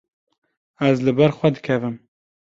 Ez li ber xwe dikevim.